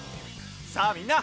さあみんな！